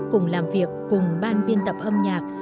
cùng làm việc cùng ban biên tập âm nhạc